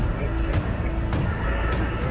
คุกขี้ไก่ตั้งอยู่ในพิพิธภัณฑ์ท้องถิ่นเมืองมีนบุรีนะ